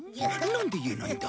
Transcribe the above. なんで言えないんだ？